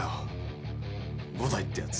伍代ってやつだ。